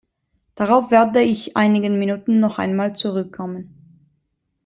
Darauf werde ich in einigen Minuten noch einmal zurückkommen.